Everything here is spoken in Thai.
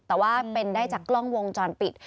แต่ว่าเป็นได้จากกล้องวงจรปิด